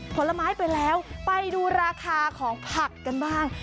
ผลไม้ไปแล้วไปดูราคาของผักกันบ้าง